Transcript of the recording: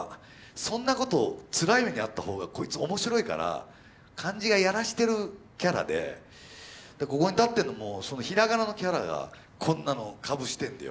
そんなことつらい目に遭った方がこいつ面白いから漢字がやらしてるキャラでここに立ってるのもその平仮名のキャラがこんなのをかぶしてんだよ。